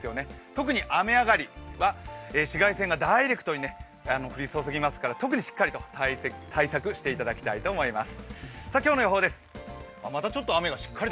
特に雨上がりは紫外線がダイレクトに降り注ぎますから特にしっかりと対策をしていただきたいと思います。